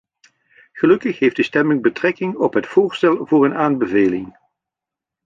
Gelukkig heeft de stemming betrekking op het voorstel voor een aanbeveling.